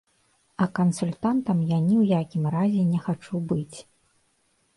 А кансультантам я ні ў якім разе не хачу быць.